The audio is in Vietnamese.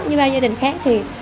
như ba gia đình khác thì